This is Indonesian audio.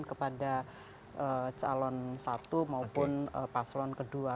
kepada calon satu maupun paslon kedua